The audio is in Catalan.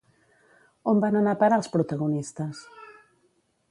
On van anar a parar els protagonistes?